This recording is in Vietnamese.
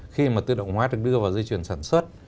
khi mà tự động hóa được đưa vào dây chuyển sản xuất